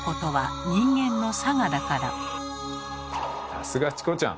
さすがチコちゃん。